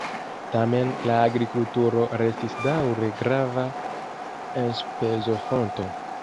Tamen la agrikulturo restis daŭre grava enspezofonto.